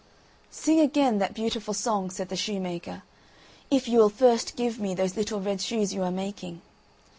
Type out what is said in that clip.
"Sing again that beautiful song," asked the shoemaker. "If you will first give me those little red shoes you are making."